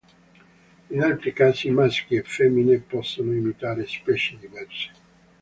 In altri casi maschi e femmine possono imitare specie diverse.